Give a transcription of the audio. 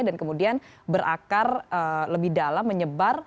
dan kemudian berakar lebih dalam menyebar